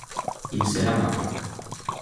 Il se lamentait.